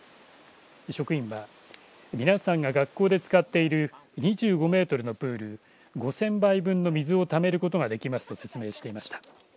職員は皆さんが学校で使っている２５メートルのプール５０００杯分の水をためることができますと説明していました。